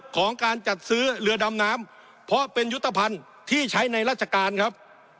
ของการจัดซื้อเรือดำน้ำเพราะเป็นยุทธภัณฑ์ที่ใช้ในราชการครับ